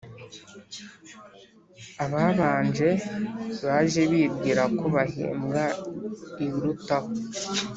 Ababanje baje bibwira ko bahembwa ibirutaho